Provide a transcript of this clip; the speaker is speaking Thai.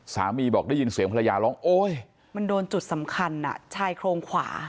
สามีบอกได้ยินเสียงภรรยาร้องโอ๊ยมันโดนจุดสำคัญชายโครงขวา